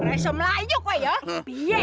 biasa melayuk woy ya